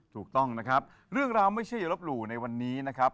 ถูกต้องนะครับเรื่องราวไม่เชื่ออย่าลบหลู่ในวันนี้นะครับ